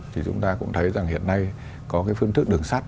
thì chúng ta cũng thấy hiện nay có phương thức đường sắt